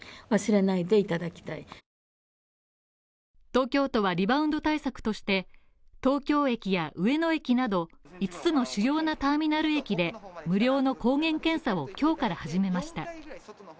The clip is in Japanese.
東京都はリバウンド対策として、東京駅や上野駅など五つの主要なターミナル駅で無料の抗原検査を今日から始めました。